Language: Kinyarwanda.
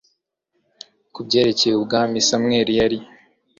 ku byerekeye ubwami samweli yari